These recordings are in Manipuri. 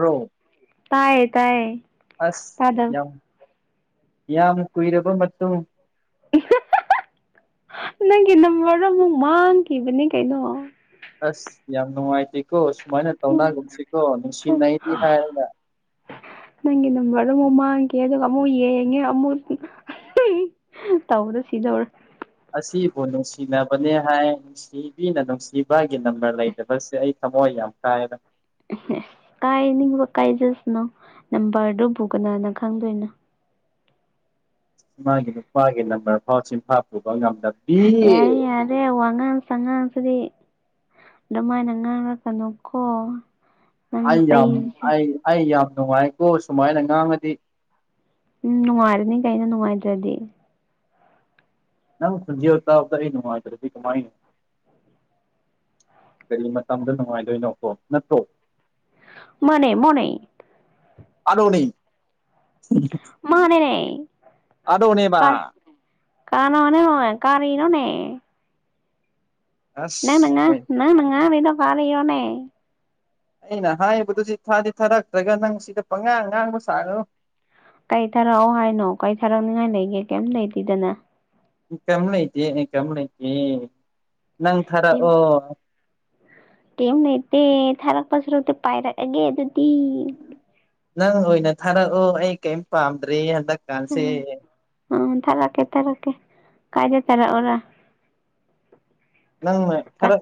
ꯔꯣꯝ ꯇꯥꯏꯌꯦ ꯇꯥꯏꯌꯦ ꯑꯁ ꯇꯥꯗꯕ ꯌꯥꯝ ꯌꯥꯝ ꯀꯨꯏꯔꯕ ꯃꯇꯨꯡ ꯅꯪꯒꯤ ꯅꯝꯕꯔ ꯑꯃꯃꯨꯛ ꯃꯥꯡꯈꯤꯕꯅꯦ ꯀꯩꯅꯣ ꯑꯁ ꯌꯥꯝ ꯅꯨꯡꯉꯥꯏꯇꯤ ꯀꯣꯁ ꯁꯨꯃꯥꯏꯅ ꯇꯧꯅꯒꯨꯝꯁꯤꯀꯣ ꯅꯨꯡꯁꯤꯅꯩꯗꯤ ꯍꯥꯏꯅ ꯅꯪꯒꯤ ꯅꯝꯕꯔꯗꯨꯣ ꯑꯃꯨꯛ ꯃꯥꯡꯒꯦ ꯑꯗꯨꯒ ꯑꯃꯨꯛ ꯌꯦꯡꯉꯦ ꯑꯃꯨꯛ ꯇꯧꯗ ꯁꯤꯗꯧꯔ ꯑꯁꯤꯕꯨ ꯅꯨꯡꯁꯤꯅꯕꯅꯦ ꯍꯥꯏ ꯅꯨꯡꯁꯤꯕꯤꯅ ꯅꯨꯡꯁꯤꯕꯒꯤ ꯅꯝꯕꯔ ꯂꯩꯇꯕꯁꯦ ꯑꯩ ꯊꯝꯃꯣꯏ ꯌꯥ ꯀꯥꯏꯗ ꯀꯥꯏ ꯅ ꯀꯥꯏꯖꯁ ꯅ ꯅꯝꯕꯔꯗꯨꯕꯨ ꯀꯅꯥꯅ ꯈꯪꯗꯣꯏꯅꯣ ꯃꯥꯒꯤ ꯅꯨꯄꯥꯒꯤ ꯅꯝꯕꯔ ꯐꯥꯎ ꯆꯤꯟꯐꯥ ꯄꯨꯕ ꯉꯝꯃꯤ ꯌꯥꯔꯦ ꯌꯥꯔꯦ ꯋꯥꯉ ꯆꯉꯥꯡꯁꯤꯗꯤ ꯑꯗꯨꯃꯥꯏꯅ ꯉꯥꯡꯉꯛꯀꯅꯨꯀꯣ ꯑꯩ ꯌꯥꯝ ꯑꯩ ꯑꯩ ꯌꯥꯝ ꯅꯨꯡꯉꯥꯏꯀꯣ ꯁꯨꯃꯥꯏꯅ ꯉꯥꯡꯉꯗꯤ ꯎꯝ ꯅꯨꯡꯉꯥꯏꯔꯅꯤ ꯀꯩꯅ ꯅꯨꯡꯉꯥꯏꯇ꯭ꯔꯗꯤ ꯅ ꯁꯟꯖꯤ ꯅꯨꯡꯉꯥꯏ ꯇꯔꯗꯤ ꯀꯃꯥꯏ ꯀꯔꯤ ꯃꯇꯝꯗ ꯅꯨꯡꯉꯥꯏꯗꯣꯏꯅꯣꯀꯣ ꯅꯠꯇ꯭ꯔꯣ ꯃꯅꯦ ꯃꯅ ꯑꯔꯅꯤ ꯃꯥꯅꯦꯅꯦ ꯑꯗꯣꯅꯦꯕ ꯀꯥꯅꯅꯦ ꯀꯥꯔꯤ ꯏꯅꯣꯅꯦ ꯑꯁ ꯉꯅꯦꯉ ꯃꯣꯏ ꯉ ꯃꯉ ꯃꯤꯗꯣ ꯐꯥꯔ ꯌꯣꯅꯦ ꯑꯩꯅ ꯍꯥꯏꯕꯗꯨ ꯁꯤ ꯊꯥꯗꯤ ꯊꯥꯔꯛꯇ꯭ꯔꯒ ꯅꯪ ꯁꯤꯗ ꯄꯪꯉꯥꯡ ꯉꯥꯡꯕ ꯁꯥꯔꯣ ꯀꯩ ꯊꯥꯔꯛꯑꯣ ꯍꯥꯏꯅꯣ ꯀꯩ ꯊꯥꯔꯛꯅꯤꯉꯥꯏ ꯂꯩꯒꯦ ꯀꯩꯝ ꯂꯩꯇꯦꯗꯅ ꯏꯪꯀꯝ ꯂꯩꯇꯦ ꯏꯪꯀꯝ ꯂꯩꯇꯦ ꯅꯪ ꯊꯥꯔꯛꯑꯣ ꯀꯦꯝ ꯅꯇꯦ ꯊꯔꯒ ꯄꯥꯁꯔ ꯄꯥꯏꯔꯒꯒꯦ ꯑꯗꯨꯗꯤꯤ ꯅꯪ ꯑꯣꯏꯅ ꯊꯥꯔꯛꯑꯣ ꯑꯩ ꯀꯔꯤꯝ ꯄꯥꯝꯗ꯭ꯔꯔꯤ ꯍꯟꯗꯛꯀꯥꯟꯁꯦ ꯑ ꯇꯔꯀꯦ ꯇꯔꯀꯦ ꯀꯥꯏꯖꯦ ꯇꯔ ꯑꯣꯔ ꯅꯪ ꯊꯔ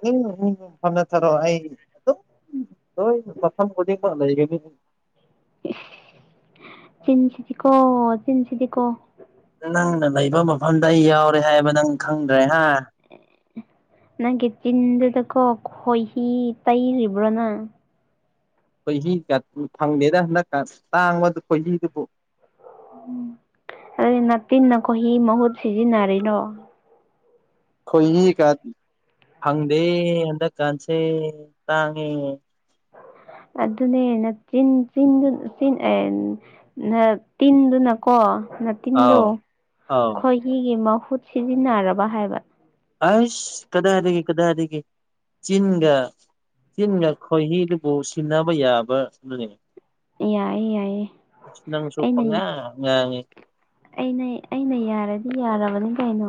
ꯎ ꯐꯝꯅꯊꯔꯣ ꯑꯩ ꯑꯗꯨꯝ ꯂꯣꯏ ꯃꯐꯝ ꯈꯨꯗꯤꯡꯃꯛ ꯂꯩꯒꯅꯤꯅꯤ ꯆꯤꯟꯁꯤꯤꯗꯤ ꯀꯣ ꯆꯁꯤꯤꯗꯤ ꯀꯣ ꯅꯪꯅ ꯂꯩꯕ ꯃꯐꯝꯗ ꯑꯩ ꯌꯥꯎꯔꯦ ꯍꯥꯏꯕ ꯅꯪ ꯈꯪꯗ꯭ꯔꯦ ꯍꯥ ꯅꯪ ꯀ ꯆꯤꯟꯤꯟ ꯇ ꯀꯣ ꯈꯣꯏꯍꯤ ꯇꯩꯔꯤꯕ꯭ꯔꯣꯅ ꯈꯣꯏꯍꯤꯒ ꯐꯪꯗꯦꯅ ꯍꯟꯗꯛ ꯇꯥꯡꯕ ꯈꯣꯏꯍꯤꯗꯨꯕꯨ ꯎ ꯑꯗꯨꯗꯤ ꯇꯤꯟꯅꯈꯣꯏ ꯍ ꯃꯍꯨꯠ ꯁꯤꯖꯤꯟꯅꯔꯤꯔꯣ ꯑꯩꯣꯏ ꯀꯥꯗ ꯍꯪꯗꯦ ꯑꯗ ꯀꯥꯟꯁꯦ ꯇꯥꯡꯉꯦ ꯑꯗꯨꯅꯦ ꯆ ꯇꯤꯟꯗꯨꯅꯀꯣ ꯇꯤꯟꯗꯣ ꯑꯥꯎ ꯑꯥꯎ ꯈꯣꯏꯍꯤꯒꯤ ꯃꯍꯨꯠ ꯁꯤꯖꯤꯟꯅꯔꯕ ꯍꯥꯏꯕ ꯑꯁ ꯀꯗꯥꯏꯗꯒꯤ ꯀꯗꯥꯏꯗꯒꯤ ꯆꯤꯟꯒ ꯆꯤꯟꯒ ꯈꯣꯏꯍꯤꯗꯨ ꯕ ꯁꯤꯟꯅꯥꯕꯩꯌꯥꯕ ꯅꯅꯦ ꯌꯥꯏꯌꯦ ꯌꯥꯏꯌꯦ ꯑꯩꯅ ꯆꯄꯉ ꯑꯩꯅ ꯑꯩꯅ ꯌꯥꯔꯗꯤ ꯌꯥꯔꯕꯅꯤ ꯀꯩꯅꯣ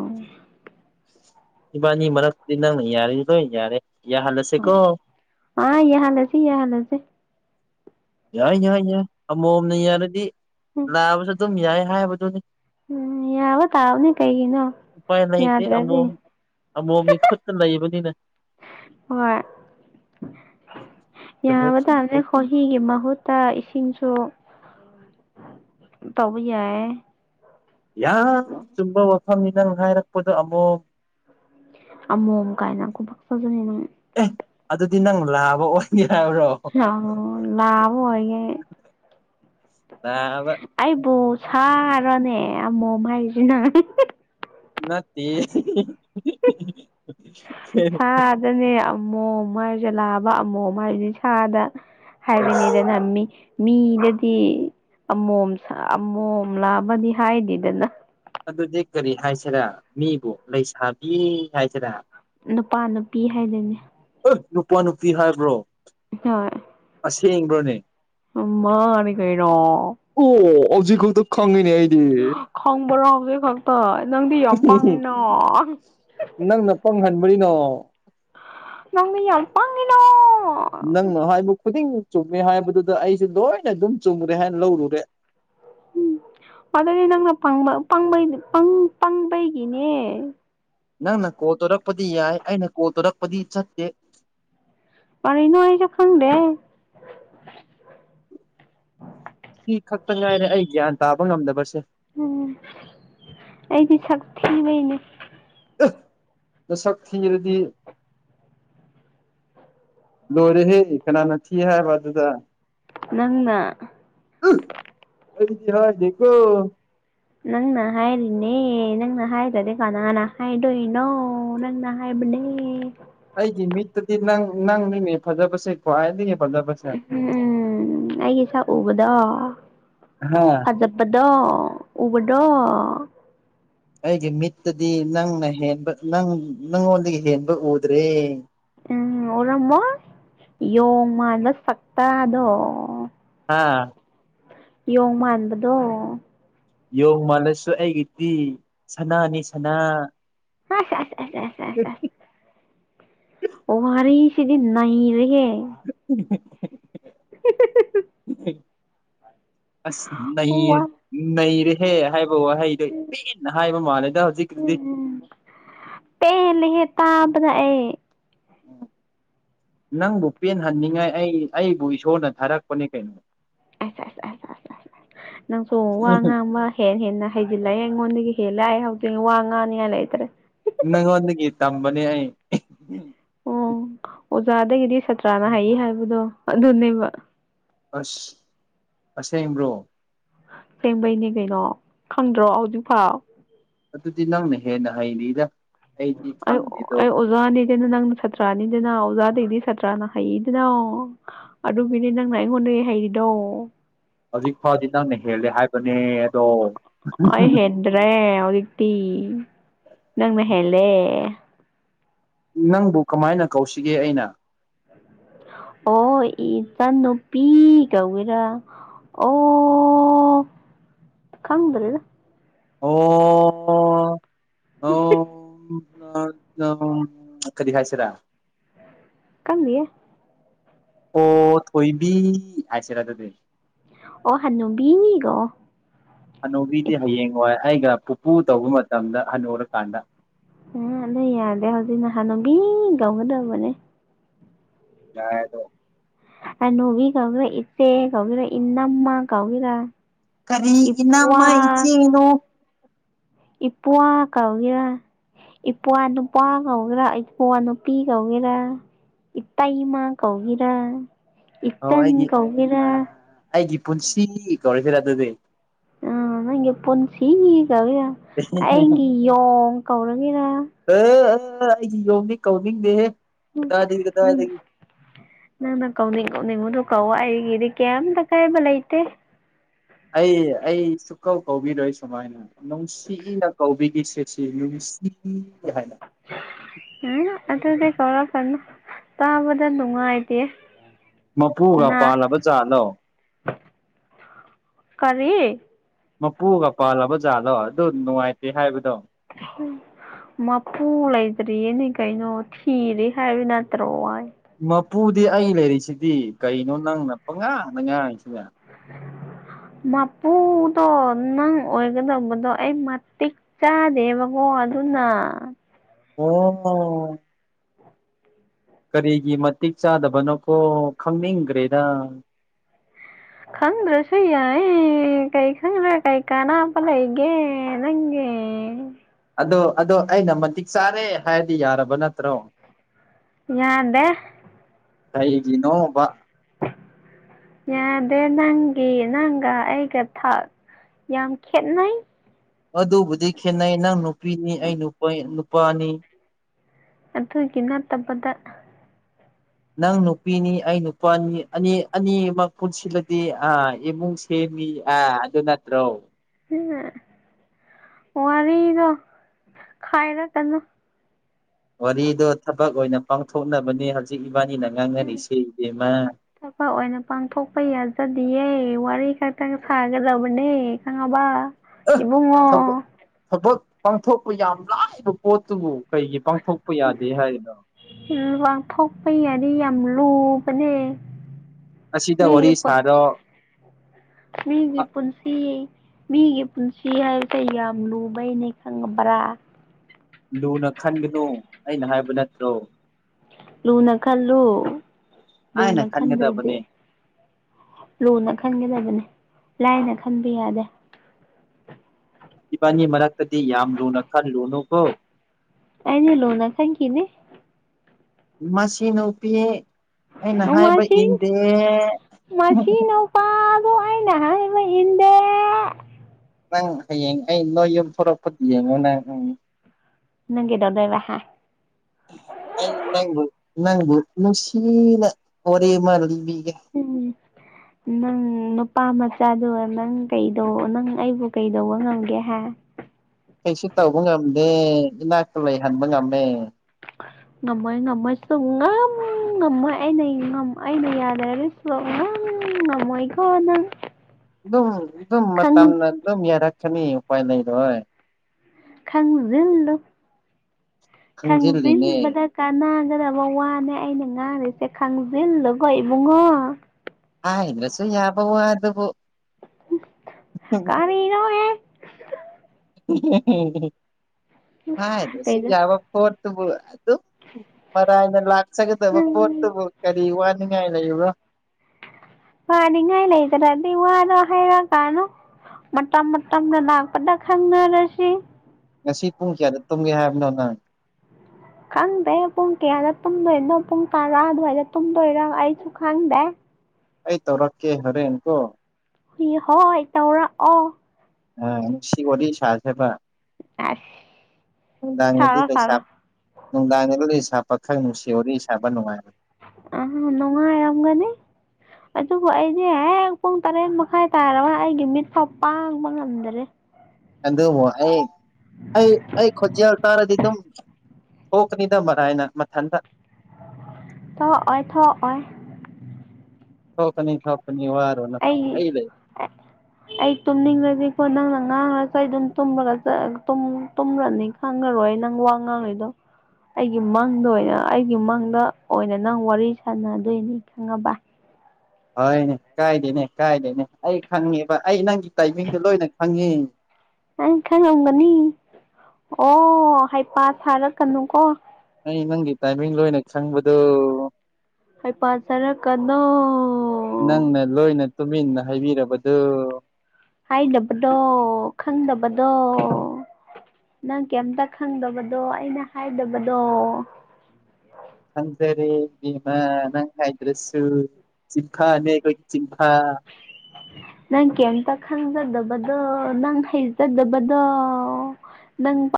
ꯏꯕꯥ ꯃꯔꯛ ꯅꯪ ꯌꯥꯔ ꯊꯣꯛ ꯌꯥꯔꯦ ꯌꯥꯍꯜꯂꯁꯦꯀꯣ ꯑꯥ ꯌꯥ ꯍꯂꯁꯤ ꯌꯥ ꯍꯂꯁꯦ ꯌꯥꯏ ꯌꯥꯏ ꯌꯥꯏ ꯑꯃꯣꯝꯅ ꯌꯥꯔꯗꯤ ꯎꯝ ꯂꯥꯛꯑꯕꯁꯨ ꯑꯗꯨꯝ ꯌꯥꯏ ꯍꯥꯏꯕꯗꯨꯅꯤ ꯎꯝ ꯌꯥꯕ ꯇꯥꯎꯅꯤ ꯀꯩꯒꯤꯅꯣ ꯎꯄꯥꯏ ꯂꯩꯇꯦ ꯌꯥꯗ꯭ꯔꯗꯤ ꯑꯃꯣꯝ ꯑꯃꯣꯝꯒꯤ ꯈꯨꯠꯇ ꯂꯩꯕꯅꯤꯅꯦ ꯍꯣꯏ ꯆꯨꯝꯃꯦ ꯌꯥꯝꯕ ꯇꯥ ꯆꯨꯝꯃꯦ ꯍꯣꯍꯤꯒꯤ ꯃꯍꯨꯠꯇ ꯏꯁꯤꯡ ꯆꯣ ꯇꯧꯕ ꯌꯥꯏ ꯌꯥꯝ ꯆꯨꯝꯕ ꯋꯥꯐꯝꯅꯤ ꯅꯪ ꯍꯥꯏꯥꯏꯔꯛꯄꯗꯣ ꯑꯃꯨꯣꯝ ꯑ ꯃꯣꯝ ꯀꯥꯏꯅ ꯈꯨꯕ ꯐꯖꯅꯅ ꯑꯦ ꯑꯗꯨꯗꯤ ꯅꯪ ꯂꯥꯕ ꯑꯣꯏꯒꯦ ꯑ ꯂꯕ ꯑꯣꯏꯌꯦꯦ ꯕ ꯁꯔꯅꯦ ꯌꯥꯝ ꯃꯣꯝꯃ ꯍꯥꯏꯁꯤꯅ ꯅ ꯁꯥꯗꯅꯦ ꯑꯃꯣꯝ ꯍꯥꯏꯔꯁꯂꯛꯑꯕ ꯑꯃꯣꯝ ꯍꯥꯏꯔꯤꯗꯤ ꯁꯥꯗ ꯑꯁ ꯍꯥꯏꯅꯤꯗ ꯅꯃꯤ ꯃꯤꯗꯗꯤ ꯑꯃꯣꯝ ꯑꯃꯣꯝ ꯂꯥꯛꯑꯕꯗꯤ ꯍꯥꯏꯗꯦꯗꯅ ꯑꯗꯨꯗꯤ ꯀꯔꯤ ꯍꯥꯏꯁꯤꯔꯥ ꯃꯤꯕꯨ ꯂꯩꯁꯥꯕꯤ ꯍꯥꯏꯁꯤꯔꯥ ꯅꯨꯄꯥ ꯅꯨꯄꯤ ꯍꯥꯏꯗꯣꯏꯅꯦ ꯑꯦ ꯅꯨꯄꯥ ꯅꯨꯄꯤ ꯍꯥꯏꯕ꯭ꯔꯣ ꯍꯣꯏ ꯁꯤ ꯏ꯭ꯔꯣꯅꯤ ꯑꯃꯅꯤ ꯀꯩꯅꯣ ꯍꯧꯥꯎꯖꯤꯛ ꯀꯧꯕꯨ ꯈꯪꯉꯩ ꯈꯪꯕ꯭ꯔꯣ ꯍꯧꯖꯤꯛ ꯈꯛꯇ ꯅꯪꯗꯤ ꯌꯥꯝ ꯄꯥꯡꯉꯤꯅꯣ ꯅꯪꯅ ꯄꯪꯍꯟꯕꯔꯤꯅꯣ ꯅꯪ ꯌꯥꯠ ꯄꯥꯉꯅꯣ ꯅꯪꯅ ꯍꯥꯏꯕꯨ ꯈꯨꯗꯤꯡꯃꯛ ꯆꯨꯝꯃꯦ ꯍꯥꯏꯕꯗꯨꯗ ꯑꯩꯁꯦ ꯂꯣꯏꯅ ꯑꯗꯨꯝ ꯆꯨꯝꯈꯨꯔꯦ ꯍꯥꯏꯅ ꯂꯧꯔꯨꯔꯦ ꯎꯝ ꯑꯗꯨꯗꯤ ꯅꯪꯅꯕꯩ ꯄꯥꯡꯕꯩꯒꯤꯅꯦ ꯅꯪꯅ ꯀꯣ ꯇꯣꯔꯛꯄꯗꯤ ꯌꯥꯏ ꯑꯩꯅ ꯀꯣ ꯇꯣꯔꯛꯄꯗꯤ ꯆꯠꯇꯦ ꯃꯔ ꯏꯅ ꯑꯩꯖꯈꯪꯗꯦ ꯁꯤ ꯈꯛꯇ ꯉꯥꯏꯔꯦ ꯑꯩ ꯒ꯭ꯌꯥꯟ ꯇꯥꯕ ꯉꯝꯗꯕꯁꯦ ꯎꯝ ꯑꯩꯗꯤ ꯁꯛ ꯊꯤꯕꯩꯅꯦ ꯁꯛ ꯊꯤꯡ ꯔꯗꯤ ꯂꯣꯏꯔꯦꯍꯦ ꯀꯅꯥꯅ ꯊꯤ ꯍꯥꯏꯕ ꯑꯗꯨꯗ ꯅꯪꯅ ꯑꯩꯗꯤ ꯍ ꯌꯦꯀꯣ ꯅꯪꯅ ꯍꯥꯏꯔꯤꯅꯦ ꯅꯪꯅ ꯍꯥꯏꯗ ꯀ ꯅ ꯅ ꯍꯥꯏꯗꯣ ꯏꯅꯣ ꯅꯪꯅ ꯍꯥꯏ ꯑꯅꯦ ꯑꯩꯒꯤ ꯃꯤꯠꯇꯗꯤ ꯅꯪ ꯅꯪ ꯅꯤꯡꯉ ꯐꯖꯕꯁꯦ ꯈ꯭ꯋꯥꯏꯗꯒꯤ ꯐꯖꯕꯁꯦ ꯎꯝ ꯑꯩꯒꯤꯁ ꯎꯕꯗꯣ ꯍꯥ ꯑꯖꯕꯗꯣ ꯎꯨꯕꯗꯣ ꯑꯩꯒꯤ ꯃꯤꯠꯇꯗꯤ ꯅꯪꯅ ꯍꯦꯟꯕ ꯅꯪ ꯅꯪꯉꯣꯟꯗꯒꯤ ꯍꯦꯟꯕ ꯎꯗ꯭ꯔꯦ ꯎꯝ ꯎꯔꯝꯃꯣ ꯌꯣꯡꯃꯗ ꯁꯛꯇꯗꯣ ꯑꯥ ꯌꯣꯃꯟꯕꯗꯣ ꯌꯣꯡ ꯃꯥꯜꯂꯁꯨ ꯑꯩꯒꯤꯗꯤ ꯁꯅꯥꯅꯤ ꯁꯅꯥ ꯍ ꯌꯦꯛꯇꯤ ꯑꯣ ꯋꯥꯔꯁꯤꯗꯤ ꯅꯩꯔꯒꯦ [unintelligible] ꯎꯝ ꯑꯁ ꯅ ꯋꯥ ꯅꯔ ꯍꯦ ꯍꯥꯏ ꯋꯥꯍꯩꯗꯣ ꯄꯅ ꯍꯥꯏꯕ ꯃꯥꯜꯂꯦꯗ ꯍꯧꯖꯤꯛꯗꯤ ꯎꯝ ꯉ ꯑꯦ ꯅꯪꯕꯨ ꯄꯦꯟꯍꯟꯅꯤꯡꯉꯥꯏ ꯑꯩ ꯑꯩꯕꯨ ꯏꯁꯣꯔꯅ ꯊꯥꯔꯛꯄꯅꯦ ꯀꯩꯅꯣ ꯑꯁ ꯑꯁ ꯑꯁ ꯑꯁ ꯑꯁ ꯑꯁ ꯅꯪꯁꯨ ꯋꯥ ꯉꯥꯡꯕ ꯍꯦ ꯍꯦꯟꯅ ꯍꯩꯖꯤꯜꯂꯛꯑꯦ ꯑꯩꯉꯣꯟꯗꯒꯤ ꯍ ꯂꯥꯛꯑꯦ ꯍꯧꯖꯤꯛ ꯋꯥ ꯉꯥꯡꯅꯤꯉꯥꯏ ꯂꯩꯇ꯭ꯔꯦ ꯅꯪ ꯋꯥꯟ ꯀ ꯇꯝꯕꯅꯤ ꯑꯣ ꯑꯣꯖꯥꯗꯒꯤꯗꯤ ꯁꯥꯇ꯭ꯔꯥꯅ ꯍꯩ ꯍꯥꯏꯕꯗꯣ ꯑꯗꯨꯅꯦꯕ ꯑꯁ ꯑꯁꯦꯡꯕ꯭ꯔꯣ ꯂꯦꯡꯕꯩꯅꯦ ꯀꯩꯅꯣ ꯈꯪꯗ꯭ꯔꯣ ꯍꯧꯖꯤꯛꯐꯥꯎ ꯑꯇꯤ ꯅꯪꯅꯦ ꯍꯦꯅ ꯍꯥꯏ ꯏꯗ ꯑꯩ ꯑꯩ ꯑꯣꯖꯥꯅꯤ ꯀꯅ ꯅꯪꯅ ꯁꯥꯇ꯭ꯔꯥꯅꯤꯗꯅ ꯑꯣꯖꯥꯗꯒꯤꯩꯗꯤ ꯁꯥꯇ꯭ꯔꯥꯅ ꯍꯩꯗꯅ ꯑꯗꯨꯒꯤꯅꯤ ꯅꯪꯅ ꯑꯩꯉꯣꯟꯗꯒꯤ ꯍꯩꯔꯤ ꯅꯣ ꯍꯧꯖꯤꯛ ꯐꯥꯎꯗꯤ ꯅꯪꯅ ꯍꯦꯜꯂꯦ ꯍꯥꯏꯕꯅꯦ ꯑꯗꯣ ꯑ ꯍꯦꯗ꯭ꯔꯦ ꯍꯧꯗꯤꯇꯤ ꯅꯪꯅ ꯍꯦꯂꯦ ꯅꯪꯕꯨ ꯀꯃꯥꯏꯅ ꯀꯧꯁꯤꯒꯦ ꯑꯩꯅ ꯑꯣ ꯏꯆꯟꯅꯨꯄꯤ ꯀꯧꯋꯦꯔꯥ ꯑꯣ ꯈꯪꯗ꯭ꯔꯗ ꯑꯣ ꯑꯣ ꯀꯗꯤ ꯍꯥꯏꯁꯤꯔ ꯈꯪꯗꯦꯍꯦ ꯑꯣ ꯊꯣꯏꯕꯤ ꯍꯥꯏꯁꯦꯔꯥ ꯑꯗꯨꯗ ꯑꯣ ꯍꯅꯨꯕꯤꯒꯣ ꯍꯅꯨꯕꯤꯗꯤ ꯍꯌꯦꯡ ꯋꯥꯏ ꯑꯩꯒ ꯄꯨꯄꯨ ꯇꯧꯕ ꯃꯇꯝꯗ ꯍꯟ ꯎꯔꯀꯥꯟꯗ ꯑ ꯑꯗꯨ ꯌꯥꯗꯦ ꯍꯧꯖꯤꯛ ꯅꯍꯥꯟꯅꯣꯒꯤ ꯀꯥꯎꯒꯗꯕꯅꯦ ꯌꯥꯑꯦꯗ ꯍꯥꯅꯨꯕꯤ ꯀꯥꯎ꯭ꯔ ꯏꯠꯇꯦ ꯀꯕꯤꯔ ꯏꯅꯃ ꯀꯒꯔ ꯀꯔꯤ ꯏꯄ꯭ꯋꯥ ꯏꯅꯝꯃ ꯏꯆꯦꯅꯣ ꯏꯄ꯭ꯋꯥ ꯀꯧꯒꯦꯔꯥ ꯏꯄ꯭ꯋꯥ ꯅꯨꯄꯥ ꯀꯧꯒꯦꯔꯥ ꯏꯄ꯭ꯋꯥ ꯅꯨꯄꯤ ꯀꯧꯒꯦꯔꯥ ꯏꯇꯩꯃꯥ ꯀꯧꯒꯔꯥ ꯑꯣ ꯏꯠꯇꯟ ꯑꯩꯒꯤ ꯀꯧꯒꯔꯥ ꯑꯩꯒꯤ ꯄꯨꯟꯁꯤ ꯀꯧꯔꯁꯤꯔꯥ ꯑꯗꯨꯗꯤ ꯑ ꯏ ꯄꯨꯟꯁꯤ ꯀꯧꯒꯦꯔ ꯑꯩꯒꯤ ꯌꯣꯡ ꯀꯧꯔꯒꯦꯔ ꯑ ꯑꯩꯒꯤ ꯌꯣꯝꯗꯤ ꯀꯧꯅꯤꯡꯗꯦ ꯎ ꯀꯧꯅꯤ ꯀꯅꯤꯡꯉ ꯀꯧ ꯑꯩꯒꯤꯗꯤ ꯀꯩꯝꯇ ꯀꯥꯏꯕ ꯂꯩꯇꯦ ꯑꯩ ꯑꯩ ꯁꯨꯛꯀꯧ ꯀꯧꯕꯤꯔꯣꯏ ꯁꯨꯃꯥꯏꯅ ꯅꯨꯡꯁꯤꯅ ꯀꯧꯕꯤꯒꯤꯁꯤ ꯁꯤ ꯍꯥꯏꯅ ꯑꯗꯨꯗꯤ ꯀꯧꯔꯛꯀꯅꯨ ꯇꯥꯕꯗ ꯅꯨꯡꯉꯥꯏꯇꯦ ꯃꯄꯨꯒ ꯅꯥ ꯄꯥꯜꯂꯕꯖꯥꯠꯂꯣ ꯀꯔꯤ ꯃꯄꯨꯒ ꯄꯥꯜꯂꯕ ꯖꯥꯠꯂꯣ ꯑꯗꯨ ꯅꯨꯡꯉꯥꯏꯇꯦ ꯍꯥꯏꯕꯗꯣ ꯃꯄꯨ ꯂꯩꯇ꯭ꯔꯤꯌꯦꯅꯦ ꯀꯩꯅꯣ ꯊꯤꯔꯦ ꯍꯥꯏꯕ ꯅꯠꯇ꯭ꯔꯣ ꯑꯩ ꯃꯄꯨꯗꯤ ꯑꯩ ꯂꯩꯔꯤꯁꯤꯗꯤ ꯀꯔꯤꯅꯣ ꯅꯪ ꯅꯄꯉꯥꯡ ꯅ ꯉꯥꯡꯁꯤꯅꯦ ꯎꯝ ꯃꯄꯨꯗꯣ ꯅꯪ ꯑꯣꯏꯒꯗꯕꯗꯣ ꯑꯩ ꯃꯇꯤꯛ ꯆꯥꯗꯦꯕꯀꯣ ꯑꯗꯨꯅ ꯑꯣ ꯀꯔꯤꯒꯤ ꯃꯇꯤꯛ ꯆꯥꯗꯕꯅꯣꯀꯣ ꯈꯪꯅꯤꯡꯈ꯭ꯔꯦꯗ ꯈꯪ꯭ꯔ ꯁꯌꯥꯌꯦ ꯀꯩ ꯈꯪ꯭ꯔ ꯀꯩ ꯀꯥꯅꯥꯄ ꯂꯩꯩꯒꯦ ꯅꯪꯒꯤ ꯎꯝ ꯑꯗꯣ ꯑꯗꯣ ꯑꯩꯅ ꯃꯇꯤꯛ ꯆꯥꯔꯦ ꯍꯥꯏꯔꯗꯤ ꯌꯥꯔꯕ ꯅꯠꯇ꯭ꯔꯣ ꯌꯥꯥꯟꯗꯦ ꯇꯩꯒꯤ ꯅꯣ ꯌꯥꯗꯦ ꯅꯪꯒꯤ ꯅꯪꯒ ꯑꯩꯒ ꯊꯥꯛ ꯌꯥꯝ ꯈꯦꯠꯅ ꯑꯗꯨꯕꯨꯗꯤ ꯈꯦꯅꯩ ꯅꯪ ꯅꯨꯄꯤꯅꯤ ꯑꯩ ꯅꯨꯄꯥꯅꯤ ꯑꯗꯨꯒꯤꯅꯥ ꯇꯥꯕꯗ ꯅꯪ ꯅꯨꯄꯤꯅꯤ ꯑꯩ ꯅꯨꯄꯥꯅꯤ ꯑꯅꯤ ꯑꯅꯤꯃꯛ ꯄꯨꯟꯁꯤꯜꯂꯗꯤ ꯑ ꯏꯃꯨꯡꯁꯦ ꯑ ꯅꯠꯇ꯭ꯔꯣ ꯎꯝ ꯋꯥꯔꯤꯗ ꯈꯥꯏꯔ ꯀꯗꯣ ꯋꯥꯔꯤꯗ ꯊꯕꯛ ꯑꯣꯏꯅ ꯄꯥꯡꯊꯣꯛꯅꯕꯅꯦ ꯍꯧꯖꯤꯛ ꯏꯕꯥꯅꯤꯅ ꯎꯝ ꯉꯥꯡꯅꯔꯤꯁꯦ ꯏꯕꯦꯝꯃ ꯊꯕ ꯑꯣꯏꯅ ꯄꯥꯡꯊꯣꯛꯄ ꯌꯥꯖꯗꯌꯦ ꯑꯣꯔꯤ ꯈ ꯊꯥꯡ ꯁꯒꯗꯕ ꯃꯅꯨꯡꯅꯦꯦ ꯈꯉꯕ ꯑꯥ ꯑꯩꯕꯨꯡꯉꯣ ꯊꯕꯛ ꯊꯕꯛ ꯄꯥꯡꯊꯣꯛꯄ ꯌꯥꯝ ꯂꯥꯏꯕ ꯄꯣꯠꯇꯨꯕꯨ ꯀꯩꯒꯤ ꯄꯥꯡꯊꯣꯛꯄ ꯌꯥꯗꯦ ꯍꯥꯏꯅꯣ ꯋꯥꯊꯣꯛꯄ ꯌꯥꯅꯤ ꯌꯥꯝ ꯂꯨꯕꯅꯦ ꯑꯁꯤꯗ ꯃꯤꯒꯤ ꯋꯥꯔꯤ ꯄꯨꯟꯁꯤ ꯁꯥꯔꯣ ꯃꯤꯒꯤ ꯄꯨꯟꯁꯤ ꯃꯤꯒꯤ ꯄꯨꯟꯁꯤ ꯍꯥꯏꯔꯁꯦ ꯌꯥꯝ ꯂꯨꯕꯩꯅꯦ ꯈꯪꯉꯕ꯭ꯔꯥ ꯂꯨꯅ ꯈꯟꯒꯅꯨ ꯑꯩꯅ ꯍꯥꯏꯕ ꯅꯠꯇ꯭ꯔꯣ ꯂꯨꯅ ꯈꯜꯂꯨ ꯍꯥꯏꯅ ꯂꯨꯅ ꯈꯟꯗ꯭ꯔꯗꯤ ꯈꯟꯒꯗꯕꯅꯦ ꯂꯨꯅ ꯈꯟꯒꯗꯕꯅꯤ ꯂꯥꯏꯅ ꯈꯟꯕ ꯌꯥꯗꯦ ꯏꯕꯥꯅꯤ ꯃꯔꯛꯇꯗꯤ ꯌꯥꯝ ꯂꯨꯅ ꯈꯔ ꯂꯨꯅꯨꯀꯣ ꯑꯅꯤ ꯂꯣꯅꯥ ꯁꯀꯤꯅꯦ ꯃꯁꯤꯟ ꯎ ꯄ ꯃ ꯃꯁꯤ ꯎ ꯄ ꯅ ꯍꯥꯏ ꯏ ꯏꯟꯗ ꯅꯪ ꯍꯌꯦꯡ ꯑꯩ ꯅꯣꯏ ꯌꯨꯝ ꯊꯣꯔꯛꯄꯗꯨ ꯌꯦꯡꯉꯣ ꯅꯪ ꯎꯝ ꯅꯪꯗꯣ ꯗꯩꯕ ꯍꯥ ꯑꯩ ꯅ ꯅꯪꯕ ꯅꯨꯡꯁꯤꯅ ꯍꯣꯔꯦ ꯃꯥꯥꯂꯤꯕꯤ ꯎꯝ ꯅꯪ ꯅꯨꯄꯥ ꯃꯆꯥꯗꯣ ꯅꯪ ꯀꯩꯗ ꯅꯪ ꯑꯩꯕꯨ ꯀꯩꯗꯧꯕ ꯉꯝꯒꯦ ꯍꯥꯏ ꯀꯩꯁꯨ ꯇꯧꯕ ꯉꯝꯗꯦ ꯏꯅꯥꯛꯇ ꯂꯩꯍꯟꯕ ꯉꯝꯃꯦ ꯅꯃ ꯅꯃ ꯆ ꯉ ꯅꯪ ꯉꯝꯃꯣꯏ ꯑꯩꯅ ꯑꯩꯅ ꯌꯥꯗꯔꯁꯨꯕ ꯅꯪ ꯉꯝꯃꯣꯏꯀꯣ ꯅꯪ ꯑꯗꯨꯝ ꯑꯗꯨꯝ ꯃꯝ ꯈꯪ ꯑꯗꯨꯝ ꯌꯦꯔ ꯈꯅꯤ ꯎꯄꯥꯏ ꯂꯩ ꯏꯗ ꯈꯪꯖꯅꯣ ꯈꯪꯖꯤꯜꯂꯤꯅꯦ ꯈꯪꯖꯤꯟꯕꯗ ꯀꯥꯟꯅꯒꯗꯕ ꯋꯥꯅꯦ ꯑꯩꯅ ꯁꯦ ꯈꯥꯪꯖꯦꯟ ꯂꯣꯏ ꯏꯕꯨꯡꯉꯣ ꯑꯏ꯭ꯔꯣꯁꯨ ꯌꯥꯕꯋꯥꯗꯕꯨ ꯀꯅ ꯍꯦ ꯍꯥꯏꯣꯁꯨ ꯀꯩꯗ ꯌꯥꯕ ꯐꯣꯠ ꯕꯨ ꯑꯗꯨꯝ ꯃꯔꯥꯏꯅ ꯂꯥꯛꯆꯒꯗꯕ ꯎꯝ ꯄꯣꯠꯇꯨꯕꯨ ꯀꯔꯤ ꯋꯥꯅꯤ ꯀꯥꯏ ꯂꯩ ꯌꯕ ꯄꯅꯤꯡꯉ ꯂꯩ ꯇꯔꯗꯤ ꯋꯥꯅ ꯍꯥꯏꯔ ꯀꯥꯅ ꯃꯣꯇꯝ ꯃ ꯇꯝꯅ ꯅꯅꯥꯄꯗ ꯈꯥꯡꯪꯅꯔꯁꯤ ꯉꯁꯤ ꯄꯨꯡ ꯀꯌꯥꯗ ꯇꯨꯝꯒꯦ ꯍꯥꯏꯕꯅꯣ ꯅꯪ ꯈꯪꯗꯦ ꯄꯨꯡ ꯀꯌꯥꯗ ꯇꯨꯝꯗꯣꯏꯅꯣ ꯄꯨꯡ ꯇꯔꯥ ꯑꯗꯨꯋꯥꯏꯗ ꯇꯨꯝꯗꯣꯏꯔꯥ ꯑꯩꯁꯨ ꯈꯪꯗꯦ ꯑꯩ ꯇꯧꯔꯛꯀꯦ ꯍꯔꯦꯟꯀꯣ ꯍꯤ ꯍꯣꯏ ꯇꯧꯔꯛꯑꯣ ꯑ ꯁꯤ ꯑꯣꯏ ꯁꯖ ꯕ ꯑꯁ ꯅꯨꯡꯗꯥꯡꯒꯤꯗꯤ ꯁꯥꯔꯣ ꯁꯥꯔꯣ ꯂꯩꯁꯥꯞ ꯅꯨꯡꯗꯥꯡꯒꯤꯗ ꯂꯩꯁꯥꯞ ꯄꯥꯈꯪ ꯅꯨꯡꯁꯤ ꯋꯥꯔꯤ ꯋꯥꯔꯤ ꯁꯥꯕ ꯅꯨꯡꯉꯥꯏꯔꯦ ꯑ ꯅꯅꯨꯡꯉ ꯑꯔꯦꯝꯒꯅꯤ ꯑꯗꯨꯕꯨ ꯑꯩꯗꯤ ꯍꯦꯛ ꯄꯨꯡ ꯇꯔꯦꯠ ꯃꯈꯥꯏ ꯇꯥꯔꯒ ꯑꯩꯒꯤ ꯃꯤꯠꯁꯥꯎ ꯄꯥꯡꯕ ꯉꯝꯗꯔꯦ ꯑꯦ ꯃꯣ ꯑꯩ ꯑꯩ ꯑꯩ ꯈꯖ ꯇꯥꯔꯗꯤ ꯑꯗꯨꯝ ꯊꯣꯛꯀꯅꯤꯗ ꯃꯔꯥꯅ ꯃꯊꯟꯇ ꯊ ꯑꯣꯏ ꯑꯣꯏ ꯊ ꯑꯣꯏ ꯊꯣꯛꯀꯅꯤ ꯊꯣꯛ ꯑꯩ ꯑꯩ ꯇꯨꯝꯅꯤꯡꯕꯗꯤꯀꯣ ꯅꯪ ꯅ ꯉꯍꯥꯡ ꯉꯁꯥꯏꯗꯨꯝ ꯇꯨꯝꯕꯒ ꯇꯨꯝꯂꯅꯤ ꯈꯪꯉꯔꯣꯏ ꯑꯩ ꯅꯪ ꯋꯥ ꯉꯥꯡꯉꯗꯣ ꯑꯩꯒꯤ ꯃꯪꯗ ꯑꯣꯏꯅ ꯑꯩꯒꯤ ꯃꯪꯗ ꯑꯣꯏꯅ ꯅꯪ ꯋꯥꯔꯤ ꯁꯥꯟꯅꯗꯣꯏꯅꯤ ꯈꯪꯉꯕꯥꯏ ꯍꯣꯏꯅꯦ ꯀꯥꯏꯗꯦꯅꯦ ꯀꯥꯏꯗꯦꯅꯦ ꯑꯩ ꯈꯪꯉꯦꯕ ꯑꯩ ꯅꯪꯒꯤ ꯇꯥꯏꯃꯤꯡꯗꯣ ꯂꯣꯏꯅ ꯈꯪꯉꯤ ꯅꯪ ꯈꯪꯂꯝꯝꯒꯅꯤ ꯑꯣ ꯍꯩꯄꯥ ꯊꯥꯔꯛꯀꯅꯨꯀꯣ ꯑꯩ ꯅꯪꯒꯤ ꯇꯥꯏꯃꯤꯡ ꯂꯣꯏꯅ ꯈꯪꯕꯗꯨ ꯑꯩ ꯄꯁꯔ ꯀ ꯑꯗꯨꯣ ꯅꯪꯅ ꯂꯣꯏꯅ ꯇꯨꯃꯤꯟꯅ ꯍꯥꯏꯕꯤꯔꯕꯗꯨ ꯍꯥꯏꯗꯕꯗꯣ ꯈꯪꯗꯕꯗꯣ ꯅꯪ ꯀꯩꯝꯇ ꯈꯪꯗꯕꯗꯣ ꯑꯩꯅ ꯍꯥꯏꯗꯕꯗꯣ ꯈꯪꯖꯔꯦ ꯏꯃ ꯅꯪ ꯍꯥꯏꯗ꯭ꯔꯁꯨ ꯆꯤꯡꯐꯥꯅꯦ ꯑꯩꯈꯣꯏꯒꯤ ꯆ ꯅꯪ ꯀꯝ ꯇ ꯈꯪ ꯖꯗꯕꯗꯣ ꯅꯪ ꯍꯩꯖꯗꯕꯗꯣ ꯅꯪ